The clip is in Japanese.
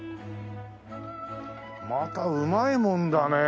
またうまいもんだねぇ。